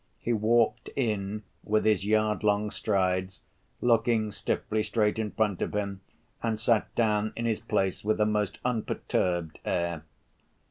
He walked in with his yard‐long strides, looking stiffly straight in front of him, and sat down in his place with a most unperturbed air.